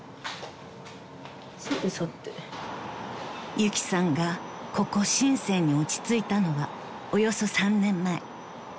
［ゆきさんがここ深に落ち着いたのはおよそ３年前］